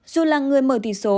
dù là người mở tỷ số